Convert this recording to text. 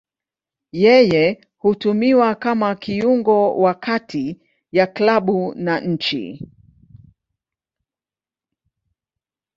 Yeye hutumiwa kama kiungo wa kati ya klabu na nchi.